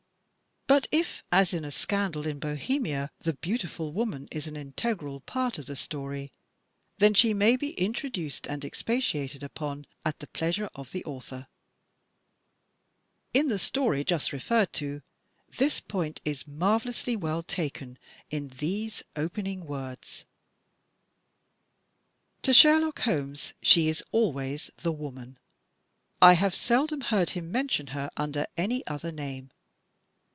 But if, as in "A Scandal in Bohemia," the beautiful woman 242 THE TECHNIQUE OF THE MYSTERY STORY is an integral part of the story, then she may be introduced and expatiated upon at the pleasure of the author. In the story just referred to, this point is marvelously well taken in these opening words: To Sherlock Holmes she is always the woman. I have seldom heard him mention her under any other name.